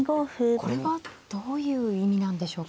これはどういう意味なんでしょうか。